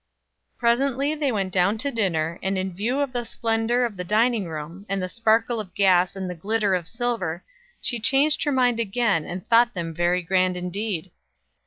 Presently they went down to dinner, and in view of the splendor of the dining room, and sparkle of gas and the glitter of silver, she changed her mind again and thought them very grand indeed.